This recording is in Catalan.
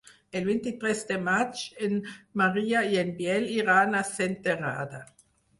El vint-i-tres de maig en Maria i en Biel iran a Senterada.